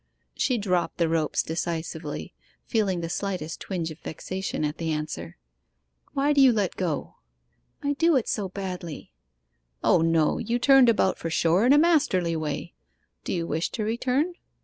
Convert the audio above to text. She dropped the ropes decisively, feeling the slightest twinge of vexation at the answer. 'Why do you let go?' 'I do it so badly.' 'O no; you turned about for shore in a masterly way. Do you wish to return?